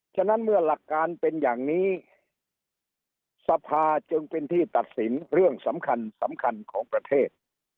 ฉะนั้นเมื่อหลักการเป็นอย่างนี้สภาจึงเป็นที่ตัดสินเรื่องสำคัญสำคัญของประเทศ